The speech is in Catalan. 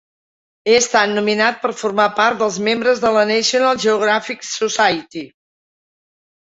He estat nominat per formar part dels membres de la National Geographic Society.